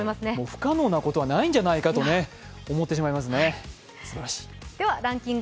不可能なことはないんじゃないかと思ってしまいますね、すばらしい。